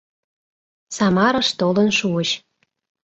Самарыш толын шуыч.